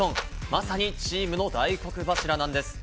まさにチームの大黒柱なんです。